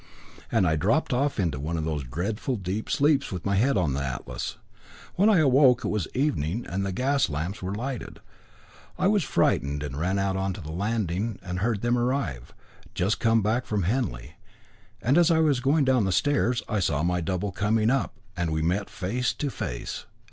And I dropped off into one of those dreadful dead sleeps, with my head on the atlas. When I awoke it was evening, and the gas lamps were lighted. I was frightened, and ran out to the landing and I heard them arrive, just come back from Henley, and as I was going down the stairs, I saw my double coming up, and we met face to face.